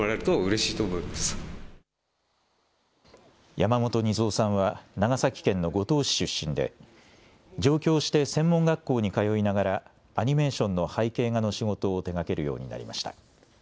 山本二三さんは長崎県の五島市出身で上京して専門学校に通いながらアニメーションの背景画の仕事を手がけるようになりました。